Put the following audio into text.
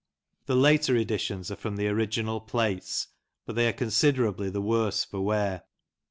The later editions are from the original plates, but they are considerably the worse for wear.